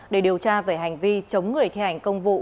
để điều tra về hành vi chống người thi hành công vụ